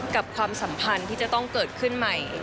ความสัมพันธ์ที่จะต้องเกิดขึ้นใหม่